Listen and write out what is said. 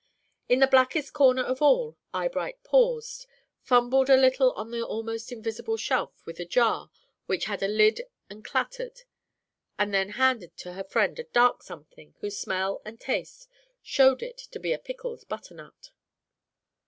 In the blackest corner of all, Eyebright paused, fumbled a little on an almost invisible shelf with a jar which had a lid and clattered, and then handed to her friend a dark something whose smell and taste showed it to be a pickled butternut.